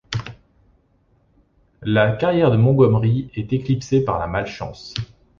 La carrière de Montgomery est éclipsée par la malchance.